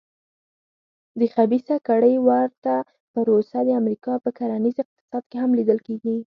د خبیثه کړۍ ورته پروسه د امریکا په کرنیز اقتصاد کې هم لیدل کېږي.